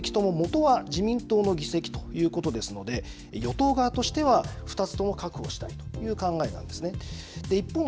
２つの議席とも元は自民党の議席ということですので与党側としては２つとも確保したいという考えなんですね。